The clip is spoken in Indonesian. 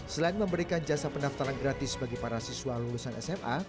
selain memberikan jasa pendaftaran gratis bagi para siswa lulusan sma